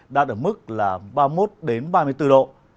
đạt ở mức là ba mươi một ba mươi bốn độ